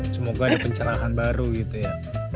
semoga ada pencerahan baru gitu ya